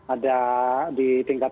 ada di tingkat